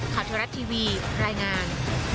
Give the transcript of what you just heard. เทวรัฐทีวีรายงาน